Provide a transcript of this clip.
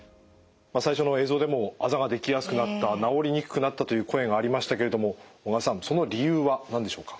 最初の映像でもあざができやすくなった治りにくくなったという声がありましたけれども小川さんその理由は何でしょうか？